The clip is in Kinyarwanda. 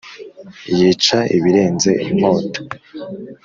yica ibirenze inkota